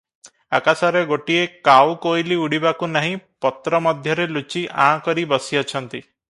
ଆକାଶରେ ଗୋଟିଏ କାଉ କୋଇଲି ଉଡ଼ିବାକୁ ନାହିଁ, ପତ୍ର ମଧ୍ୟରେ ଲୁଚି ଆଁ କରି ବସିଅଛନ୍ତି ।